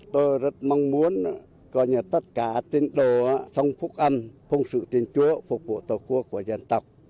tôi rất mong muốn có tất cả tiến đồ phong phúc âm phong sự tiến chúa phục vụ tổ quốc của dân tộc